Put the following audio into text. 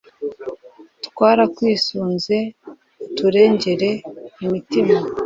turakwisunze, uturengere imitima